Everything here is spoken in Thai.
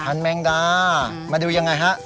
พันธุ์แมงดามาดูยังไงฮะ